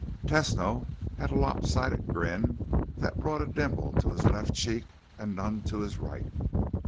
Tesno had a lopsided grin that brought a dimple to his left cheek and none to his right.